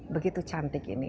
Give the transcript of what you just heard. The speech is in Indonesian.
begitu cantik ini